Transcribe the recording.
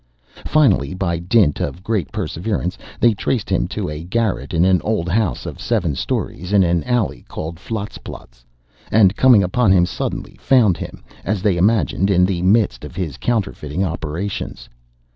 Finally, by dint of great perseverance, they traced him to a garret in an old house of seven stories, in an alley called Flatzplatz,—and, coming upon him suddenly, found him, as they imagined, in the midst of his counterfeiting operations.